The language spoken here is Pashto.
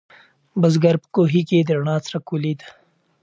بزګر په کوهي کې د رڼا څرک ولید.